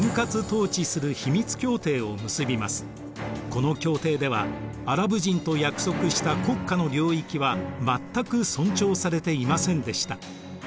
この協定ではアラブ人と約束した国家の領域は全く尊重されていませんでした。